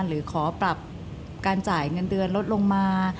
หรือขอปรับการจ่ายเงินเดือนลดลงมา